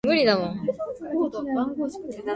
Justice Johnson in Saint John's, Newfoundland.